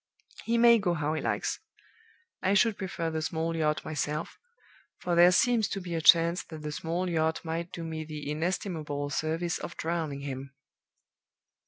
He may go how he likes. I should prefer the small yacht myself; for there seems to be a chance that the small yacht might do me the inestimable service of drowning him...."